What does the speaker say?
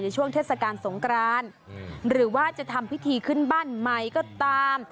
ช่วงเทศกาลสงกรานหรือว่าจะทำพิธีขึ้นบ้านใหม่ก็ตาม